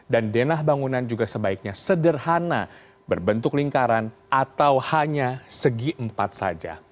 dan denah bangunan juga sebaiknya sederhana berbentuk lingkaran atau hanya segi empat saja